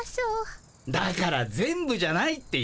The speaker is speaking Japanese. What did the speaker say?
だから「全部じゃない」って言っただろ。